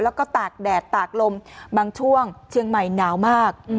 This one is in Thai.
แล้วก็ตากแดดตากลมบางช่วงเชียงใหม่หนาวมาก